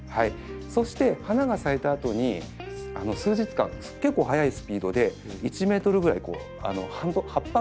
そして花が咲いたあとに数日間結構速いスピードで１ｍぐらい葉っぱが伸びていくんですね。